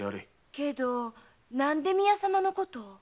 けど何で宮様のことを？